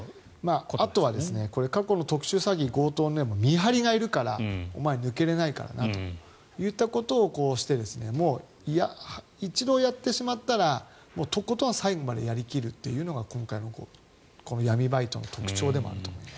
あとは過去の特殊詐欺、強盗でも見張りがいるからお前、抜けれないからなといったことを言ってもう一度やってしまったらとことん最後までやりきるというのが今回のこの闇バイトの特徴でもあると思います。